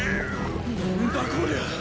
何だこりゃあ！